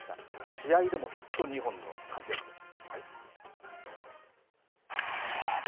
試合でもヒット２本の活躍です。